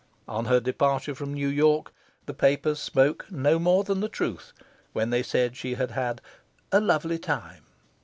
On her departure from New York, the papers spoke no more than the truth when they said she had had "a lovely time."